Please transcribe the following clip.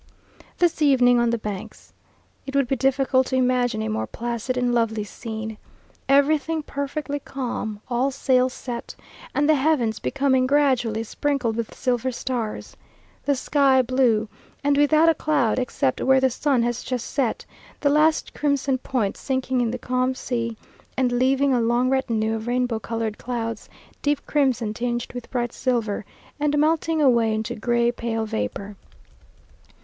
This evening on the Banks. It would be difficult to imagine a more placid and lovely scene. Everything perfectly calm, all sail set, and the heavens becoming gradually sprinkled with silver stars. The sky blue, and without a cloud, except where the sun has just set, the last crimson point sinking in the calm sea and leaving a long retinue of rainbow coloured clouds, deep crimson tinged with bright silver, and melting away into gray, pale vapour.